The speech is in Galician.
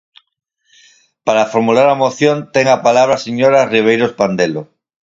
Para formular a moción ten a palabra a señora Ribeiros Pandelo.